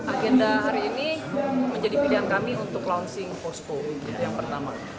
agenda hari ini menjadi pilihan kami untuk launching posko yang pertama